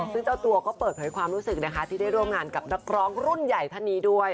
ซึ่งเจ้าตัวก็เปิดเผยความรู้สึกนะคะที่ได้ร่วมงานกับนักร้องรุ่นใหญ่ท่านนี้ด้วย